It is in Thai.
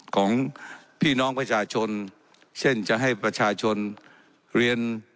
ของพี่น้องประชาชนเช่นจะให้ประชาชนเรียน